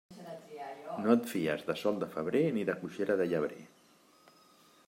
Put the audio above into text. No et fies de sol de febrer ni de coixera de llebrer.